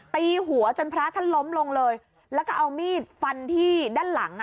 ตีหัวจนพระท่านล้มลงเลยแล้วก็เอามีดฟันที่ด้านหลังอ่ะ